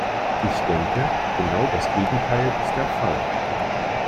Ich denke, genau das Gegenteil ist der Fall.